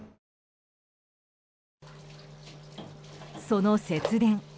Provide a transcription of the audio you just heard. その節電。